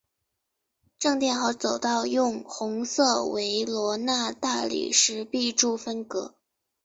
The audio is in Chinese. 正殿和走道用红色维罗纳大理石壁柱分隔。